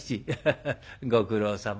ハハハッご苦労さま。